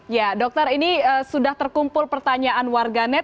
ya dokter ini sudah terkumpul pertanyaan warganet